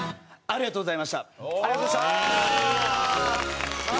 ありがとうございます。